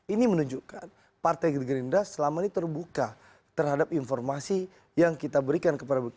ini menunjukkan partai gerindra selama ini terbuka terhadap informasi yang kita berikan kepada publik